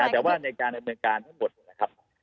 แต่ว่าในการดำเนินการทั้งหมดนะครับ